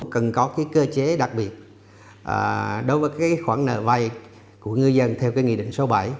cần có cơ chế đặc biệt đối với khoản nợ vay của ngư dân theo nghị định sáu mươi bảy